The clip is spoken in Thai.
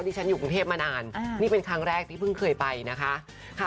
ที่ฉันอยู่กรุงเทพมานานนี่เป็นครั้งแรกที่เพิ่งเคยไปนะคะ